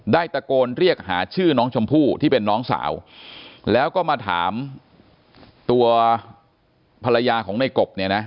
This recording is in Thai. ตะโกนเรียกหาชื่อน้องชมพู่ที่เป็นน้องสาวแล้วก็มาถามตัวภรรยาของในกบเนี่ยนะ